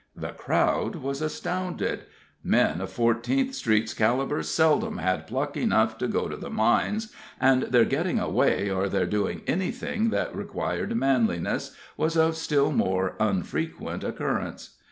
The crowd was astounded; men of Fourteenth Street's calibre seldom had pluck enough to go to the mines, and their getting away, or their doing any thing that required manliness, was of still more unfrequent occurrence.